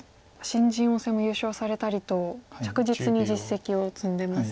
新人王戦も優勝されたりと着実に実績を積んでますよね。